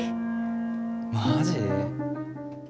マジ！？